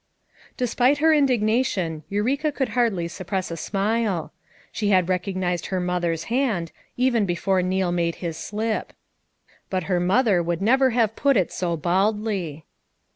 Despite her indignation Eureka could hardly suppress a smile: she had recognized her mother's hand, even before Neal made his slip, but her mother would never have put it so baldly.